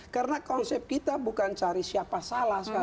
karena konsep kita bukan cari siapa salah sekarang